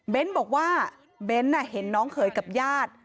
เบ้นท์บอกว่าเบ้นท์เห็นน้องเขยกับญาติ